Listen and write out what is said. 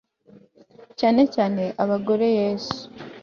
cyane cyane abagore yesu